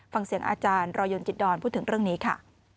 ฟังเสียงอาจารย์รอยนจิตดอนพูดถึงเรื่องนี้ค่ะ